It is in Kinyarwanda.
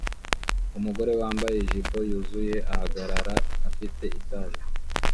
Umugore wambaye ijipo yuzuye ahagarara afite itabi